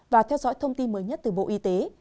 và theo dõi thông tin mới nhất từ bộ y tế